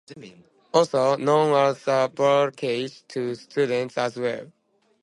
Also known as the "Bird Cage" to students as well.